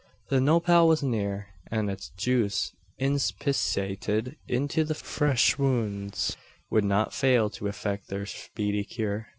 The nopal was near; and its juice inspissated into the fresh wounds would not fail to effect their speedy cure.